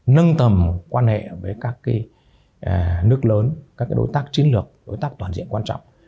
nâng tầm quan hệ với các nước lớn các đối tác chiến lược đối tác toàn diện quan trọng